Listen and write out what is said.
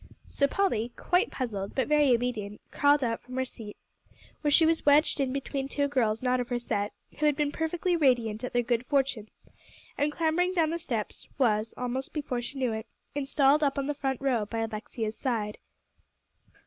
So Polly, quite puzzled, but very obedient, crawled out from her seat, where she was wedged in between two girls not of her set, who had been perfectly radiant at their good fortune, and clambering down the steps, was, almost before she knew it, installed up on the front row, by Alexia's side.